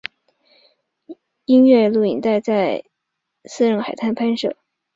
音乐录影带在伊豆半岛下田市的私人海滩拍摄。